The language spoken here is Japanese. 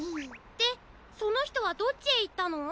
でそのひとはどっちへいったの？